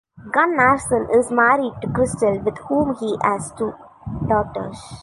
Gunnarsson is married to Christel with whom he has two daughters.